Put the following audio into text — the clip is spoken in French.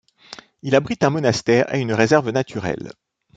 Il abrite un monastère et une réserve naturelle.